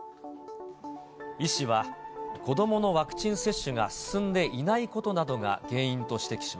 医師は子どものワクチン接種が進んでいないことなどが原因と指摘